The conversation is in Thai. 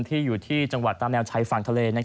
ที่อยู่ที่จังหวัดแชชน์ฝั่งทะเล